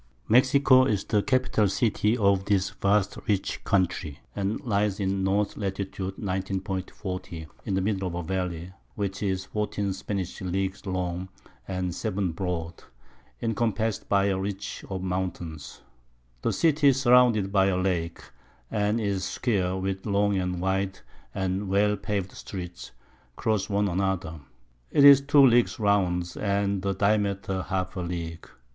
Mexico is the Capital City of this vast rich Country, and lies in N. Lat. 19. 40. in the Middle of a Valley, which is 14 Spanish Leagues long, and 7 broad, encompass'd by a Ridge of Mountains. The City is surrounded by a Lake, and is square, with long, wide, and well pav'd Streets, cross one another. 'Tis 2 Leagues round, and the Diameter half a League.